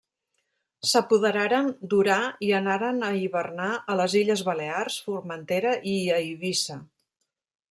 S'apoderaren d'Orà i anaren a hivernar a les illes Balears, Formentera i Eivissa.